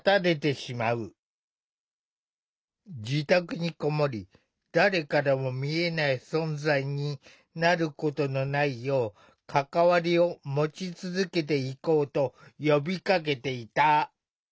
自宅に籠もり誰からも見えない存在になることのないよう関わりを持ち続けていこうと呼びかけていた。